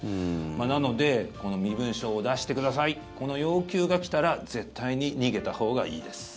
なので、身分証を出してくださいこの要求が来たら絶対に逃げたほうがいいです。